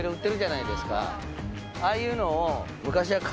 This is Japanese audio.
ああいうのを。